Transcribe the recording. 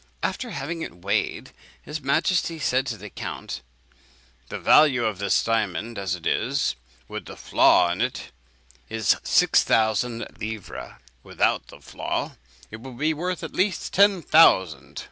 After having it weighed, his majesty said to the count, 'The value of this diamond as it is, and with the flaw in it, is six thousand livres; without the flaw, it would be worth at least ten thousand.